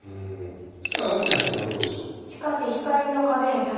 さあ綿矢さんはどうでしょう？